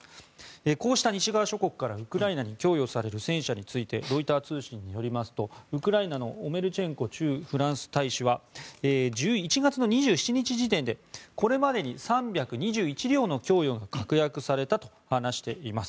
こうした西側諸国からウクライナに供与される戦車についてロイター通信によりますとウクライナのオメルチェンコ駐フランス大使は１月２７日時点でこれまでに３２１両の供与が確約されたと話しています。